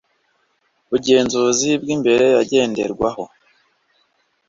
bugenzuzi bw imbere yagenderwaho